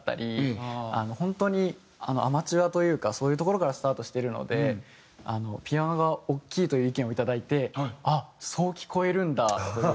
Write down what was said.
本当にアマチュアというかそういうところからスタートしてるので「ピアノが大きい」という意見をいただいてあっそう聴こえるんだという。